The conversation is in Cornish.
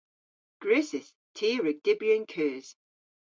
Gwrussys. Ty a wrug dybri an keus.